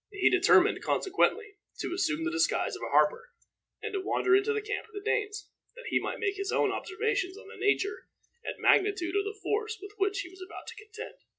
He determined, consequently, to assume the disguise of a harper, and to wander into the camp of the Danes, that he might make his own observations on the nature and magnitude of the force with which he was about to contend.